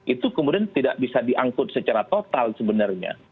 itu kemudian tidak bisa diangkut secara total sebenarnya